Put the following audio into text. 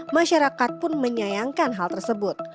masyarakat pun menyayangkan hal tersebut